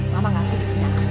mama gak suka